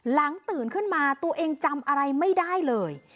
ตื่นขึ้นมาตัวเองจำอะไรไม่ได้เลย